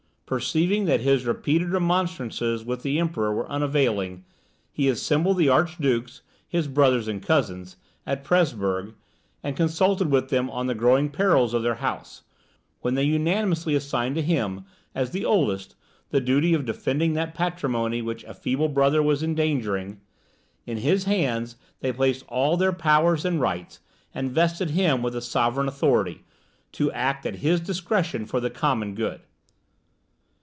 Perceiving that his repeated remonstrances with the Emperor were unavailing, he assembled the archdukes, his brothers and cousins, at Presburg, and consulted with them on the growing perils of their house, when they unanimously assigned to him, as the oldest, the duty of defending that patrimony which a feeble brother was endangering. In his hands they placed all their powers and rights, and vested him with sovereign authority, to act at his discretion for the common good.